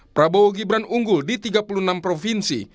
prabowo gibran unggul di tiga puluh enam provinsi